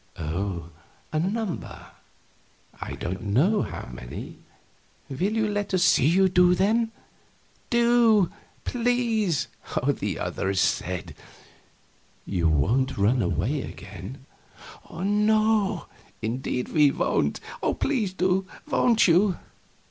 "Oh, a number; I don't know how many." "Will you let us see you do them?" "Do please!" the others said. "You won't run away again?" "No indeed we won't. Please do. Won't you?"